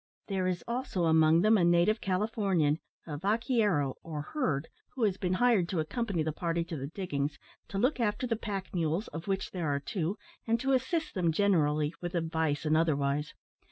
There is also among them a native Californian, a vaquero, or herd, who has been hired to accompany the party to the diggings, to look after the pack mules, of which there are two, and to assist them generally with advice and otherwise.